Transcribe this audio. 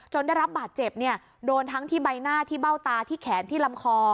ได้รับบาดเจ็บเนี่ยโดนทั้งที่ใบหน้าที่เบ้าตาที่แขนที่ลำคอ